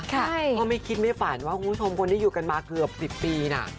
เพราะไม่คิดไม่ฝันว่าคุณผู้ชมคนที่อยู่กันมาเกือบ๑๐ปีน่ะ